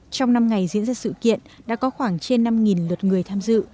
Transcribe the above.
trong năm ngày diễn ra sự kiện đã có khoảng trên năm lượt người tham dự